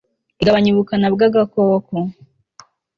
igabanya ubukana bw agakoko